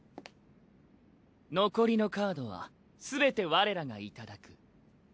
残りのカードはすべて我らがいただく。